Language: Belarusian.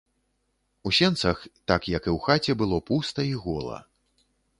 У сенцах, так як і ў хаце, было пуста і гола.